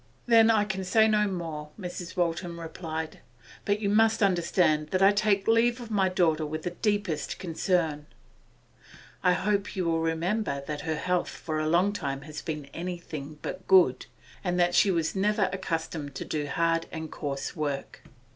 'Then I can say no more,' Mrs. Waltham replied. 'But you must understand that I take leave of my daughter with the deepest concern. I hope you will remember that her health for a long time has been anything but good, and that she was never accustomed to do hard and coarse work.